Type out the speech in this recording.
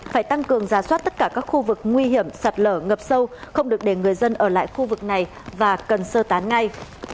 phải tăng cường giá soát tất cả các khu vực nguy hiểm sạt lở ngập sâu không được để người dân ở lại khu vực này và cần sơ tán ngay